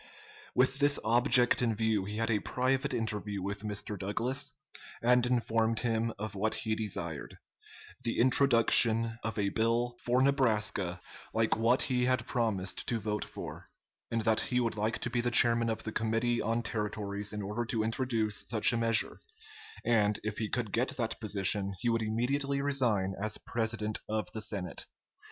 With this object in view, he had a private interview with Mr. Douglas, and informed him of what he desired the introduction of a bill for Nebraska like what he had promised to vote for, and that he would like to be the chairman of the Committee on Territories in order to introduce such a measure; and, if he could get that position, he would immediately resign as president of the Senate.